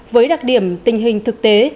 với đặc điểm tình hình thực tế